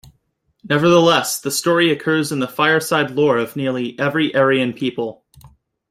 Nevertheless, the story occurs in the fireside lore of nearly every Aryan people.